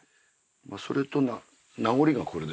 それと名残がこれですね。